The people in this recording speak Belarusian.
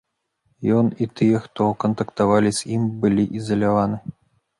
Ён і тыя, хто кантактавалі з ім, былі ізаляваны.